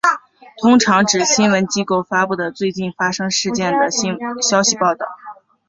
通常指新闻机构发布的最近发生事件的消息报道。